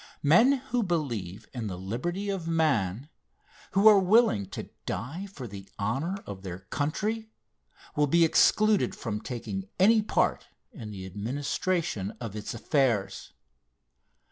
Men who believe in the liberty of man, who are willing to die for the honor of their country, will be excluded from taking any part in the administration of its affairs.